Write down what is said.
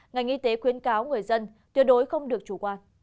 ngành y tế khuyên cáo người dân tiêu đối không được chủ quan